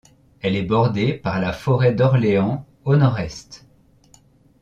Elle est bordée par la forêt d'Orléans au nord-est.